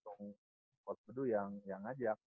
coach budu yang ngajak